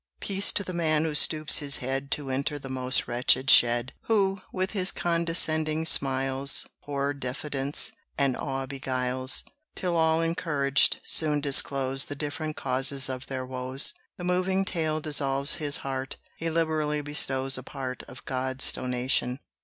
Peace to the man who stoops his head To enter the most wretched shed: Who, with his condescending smiles, Poor diffidence and awe beguiles: Till all encouraged, soon disclose The different causes of their woes The moving tale dissolves his heart: He liberally bestows a part Of God's donation.